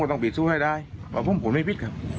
ผมก็ต้องปิดสู้ให้ได้ผมผลไม่พิษครับ